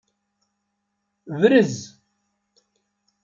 Brez.